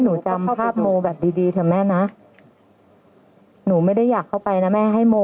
หนูจำภาพโมแบบดีดีเถอะแม่นะหนูไม่ได้อยากเข้าไปนะแม่ให้โม